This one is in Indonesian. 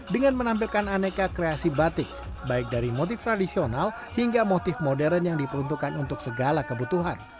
dengan menampilkan aneka kreasi batik baik dari motif tradisional hingga motif modern yang diperuntukkan untuk segala kebutuhan